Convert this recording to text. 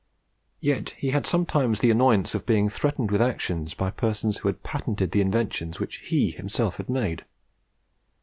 Yet he had sometimes the annoyance of being threatened with actions by persons who had patented the inventions which he himself had made.